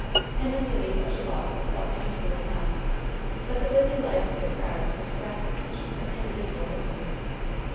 In the city such a loss is felt painfully enough; but the busy life of the crowd distracts attention from individual missings.